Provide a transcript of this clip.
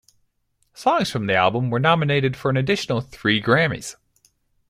Songs from the album were nominated for an additional three Grammys.